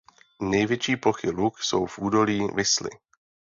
Největší plochy luk jsou v údolí Visly.